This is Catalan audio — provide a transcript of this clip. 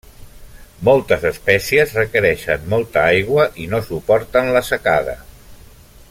Moltes espècies requereixen molta aigua i no suporten la secada.